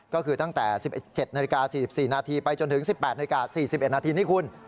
ก็คือตั้งแต่๑๑๗นาฬิกา๔๔นาทีไปจนถึง๑๘นาฬิกา๔๑นาทีนี้คุณ